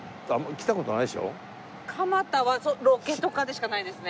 蒲田はロケとかでしかないですね。